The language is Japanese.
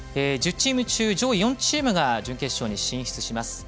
１０チーム中、上位４チームが準決勝に進出します。